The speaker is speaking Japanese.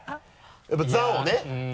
やっぱ「座」をね